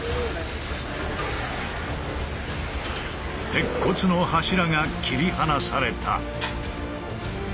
鉄骨の柱が切り離された。